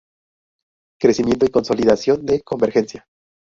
Crecimiento y consolidación de Convergencia.